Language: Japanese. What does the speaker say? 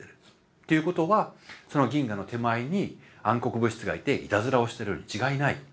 ていうことはその銀河の手前に暗黒物質がいていたずらをしてるに違いない。